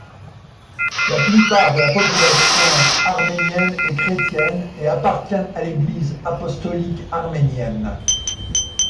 La plupart de la population arménienne est chrétienne et appartient à l'Église apostolique arménienne.